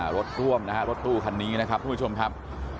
รถร่วมนะฮะรถตู้คันนี้นะครับทุกผู้ชมครับ